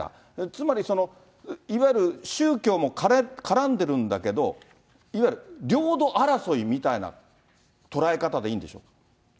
つまり、いわゆる宗教も絡んでるんだけど、いわゆる領土争いみたいな捉え方でいいんでしょうか。